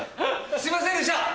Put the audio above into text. すいませんでした！